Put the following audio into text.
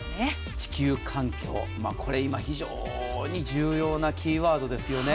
地球環境、非常に重要なキーワードですよね。